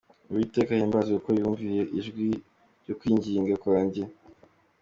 Uwiteka ahimbazwe, Kuko yumviye ijwi ryo kwinginga kwanjye.